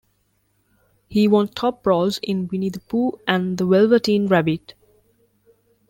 He won top roles in "Winnie the Pooh" and "The Velveteen Rabbit".